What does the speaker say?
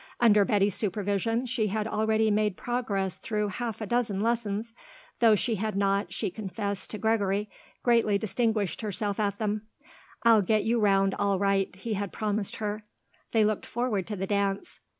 Under Betty's supervision she had already made progress through half a dozen lessons, though she had not, she confessed to Gregory, greatly distinguished herself at them. "I'll get you round all right," he had promised her. They looked forward to the dance.